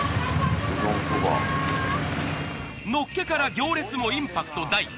のっけから行列もインパクト大！